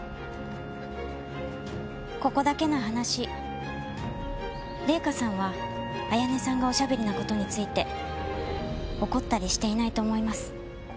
ここだけの話礼香さんは彩音さんがおしゃべりな事について怒ったりしていないと思います。